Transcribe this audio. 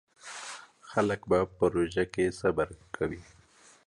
خلک به په روژه کې صبر کاوه.